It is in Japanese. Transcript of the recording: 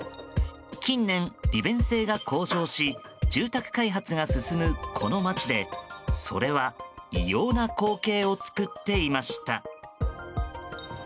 近年、利便性が向上し住宅開発が進むこの町でそれは異様な光景を作っていました。